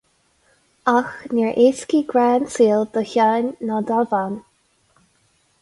Ach níor éascaigh grá an saol do Sheán ná dá bhean.